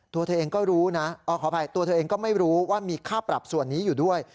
ตัวเธอเองก็รู้นะขออภัยตัวเธอเองก็ไม่รู้ว่ามีค่าปรับส่วนนี้อยู่ด้วย